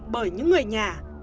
bởi những người nhà